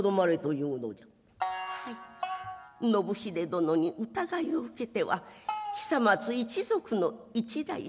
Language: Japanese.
「はい信秀殿に疑いを受けては久松一族の一大事。